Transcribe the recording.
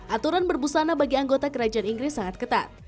aturan berbusana bagi anggota kerajaan inggris sangat ketat